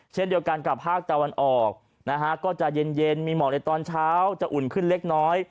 เช่นเดียวกันกับภาคตะวันออกนะฮะก็จะเย็นมีหมอกในตอนเช้าจะอุ่นขึ้นเล็กน้อย